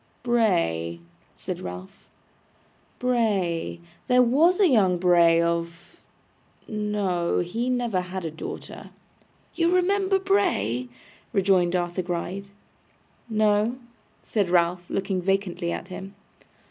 'Bray,' said Ralph. 'Bray there was young Bray of no, he never had a daughter.' 'You remember Bray?' rejoined Arthur Gride. 'No,' said Ralph, looking vacantly at him.